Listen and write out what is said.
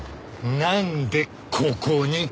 なんでここに？